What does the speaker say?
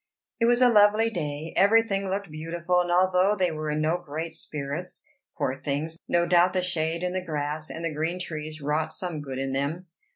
It was a lovely day; every thing looked beautiful; and although they were in no great spirits, poor things, no doubt the shade and the grass and the green trees wrought some good in them.